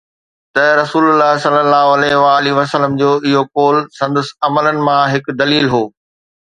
ته رسول الله صلي الله عليه وآله وسلم جو اهو قول سندس عملن مان هڪ دليل هو